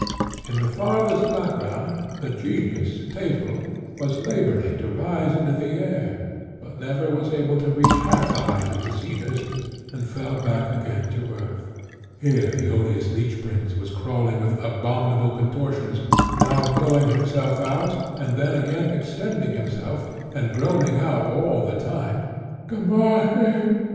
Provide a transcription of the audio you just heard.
In the farthest background the Genius, Thetel, was labouring to rise into the air, but never was able to reach half the height of the cedars, and fell back again to earth. Here the odious Leech Prince was crawling with abominable contortions, now blowing himself out, and then again extending himself, and groaning out, all the time, "Gamaheh!